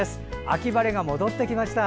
秋晴れが戻ってきました。